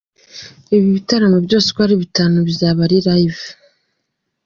Ibi bitaramo byose uko ari bitanu bizaba ari Live.